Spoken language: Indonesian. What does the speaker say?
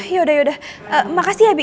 yaudah yaudah makasih ya bi